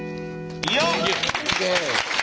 よっ！